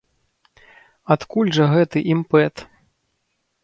Адкуль жа гэты імпэт?